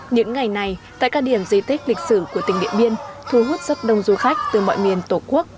những ngày này tại các điểm di tích lịch sử của tỉnh điện biên thu hút rất đông du khách từ mọi miền tổ quốc